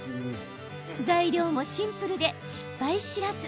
材料もシンプルで失敗知らず。